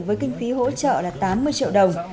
với kinh phí hỗ trợ là tám mươi triệu đồng